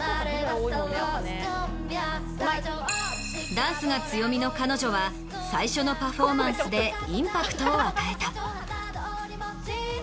ダンスが強みの彼女は最初のパフォーマンスでインパクトを与えた。